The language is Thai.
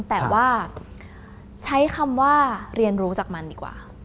แต่ว่าใช้คำว่าเรียนรู้จากมันดีกว่า